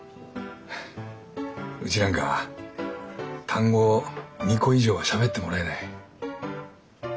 うちなんか単語２個以上はしゃべってもらえない。